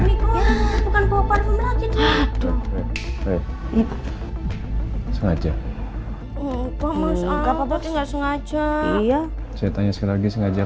sengaja bopor nggak sengaja iya saya tanya sekali lagi sengaja